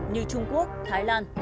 như trung quốc hà nội trung quốc